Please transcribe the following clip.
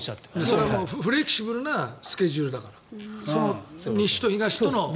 それはフレキシブルなスケジュールだから。